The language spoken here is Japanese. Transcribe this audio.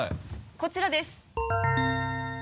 こちらです。